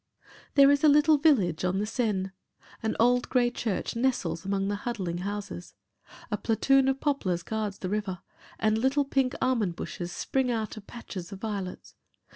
There is a little village on the Seine. An old grey church nestles among the huddling houses. A platoon of poplars guards the river, and little pink almond bushes spring out of patches of violets.